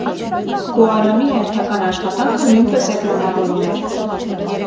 Կուարոնի հերթական աշխատանքը նույնպես էկրանավորում էր։